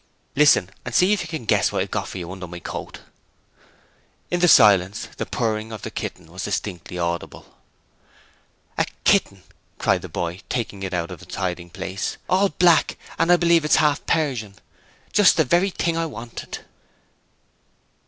'Listen, and see if you can guess what I've got for you under my coat.' In the silence the purring of the kitten was distinctly audible. 'A kitten!' cried the boy, taking it out of its hiding place. 'All black, and I believe it's half a Persian. Just the very thing I wanted.'